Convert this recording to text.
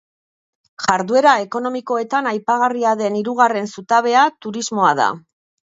Jarduera ekonomikoetan aipagarria den hirugarren zutabea turismoa da.